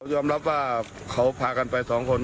ยอมรับว่าเขาพากันไปสองคน